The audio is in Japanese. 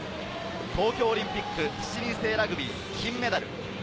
東京オリンピック、７人制ラグビー金メダル。